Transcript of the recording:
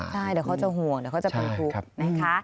ใช่เดี๋ยวเขาจะห่วงเดี๋ยวเขาจะเป็นทุกข์นะคะ